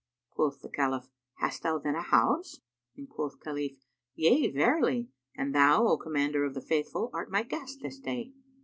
Quoth the Caliph, "Hast thou then a house?"; and quoth Khalif, "Yea, verily! and thou, O Commander of the Faithful, art my guest this day."